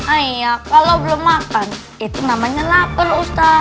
ayah kalau belum makan itu namanya lapar ustaz